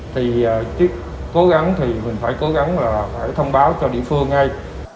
thì mình phải cố gắng là phải thông báo cho địa phương ngay